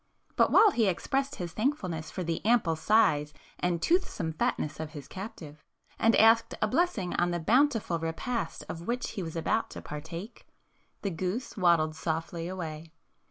But while he ex pressed his thankfulness for the ample size and toothsome fatness of his captive, and asked a blessing on the bountiful repast of which he was about to partake, the goose waddled softly away.